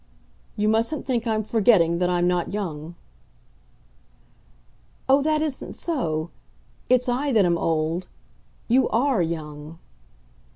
"You mustn't think I'm forgetting that I'm not young." "Oh, that isn't so. It's I that am old. You ARE young."